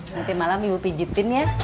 nanti malam ibu pijitin ya